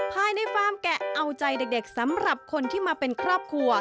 ภายในฟาร์มแกะเอาใจเด็กสำหรับคนที่มาเป็นครอบครัว